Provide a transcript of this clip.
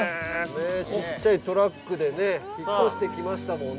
◆ちっちゃいトラックでね引っ越してきましたもんね。